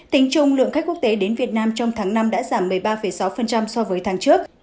tính chung lượng khách quốc tế đến việt nam trong tháng năm đã giảm một mươi ba sáu